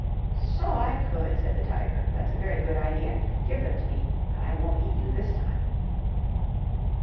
"So I could," said the Tiger, "that's a very good idea. Give them to me, and I won't eat you this time."